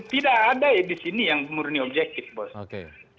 tidak ada disini yang murni objekif bos